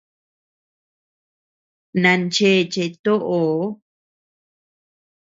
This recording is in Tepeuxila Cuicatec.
Nan cheche toʼo.